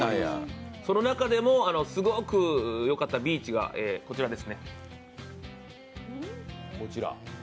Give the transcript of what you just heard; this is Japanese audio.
その中でもすごくよかったビーチがこちらですね。